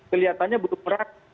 kelihatannya butuh berat